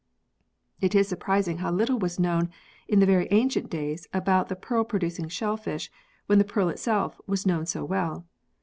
It is surprising how little was known in the very ancient days about the pearl producing shellfish, when the pearl itself was known so well.